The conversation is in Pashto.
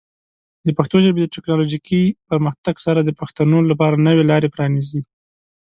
د پښتو ژبې د ټیکنالوجیکي پرمختګ سره، د پښتنو لپاره نوې لارې پرانیزي.